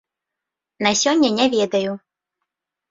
На сёння не ведаю.